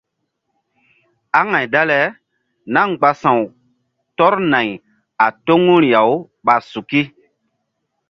Aŋay dale náh mgba sa̧w tɔr nay a toŋuri-awɓa suki.